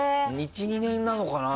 １２年なのかな。